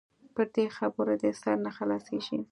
پر دې خبرو دې سر نه خلاصيږي.